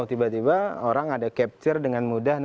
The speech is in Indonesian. tiba tiba orang ada capture dengan mudah